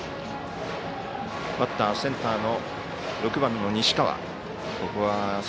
バッター、センターの６番の西川。